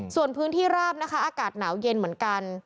ส่วนพื้นที่ราบนะคะอากาศหนาวเย็นเหมือนกัน